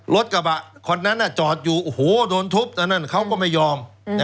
รถกระบะคนนั้นจอดอยู่โอ้โหโดนทุบตอนนั้นเขาก็ไม่ยอม